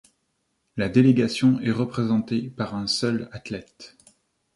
La délégation est représentée par un seul athlète.